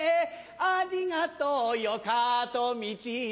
ありがとうよカート道